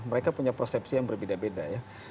mereka punya persepsi yang berbeda beda ya